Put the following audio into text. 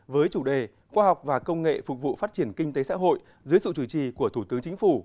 với chủ đề khoa học và công nghệ phục vụ phát triển kinh tế xã hội dưới sự chủ trì của thủ tướng chính phủ